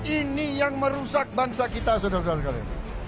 ini yang merusak bangsa kita saudara saudara sekalian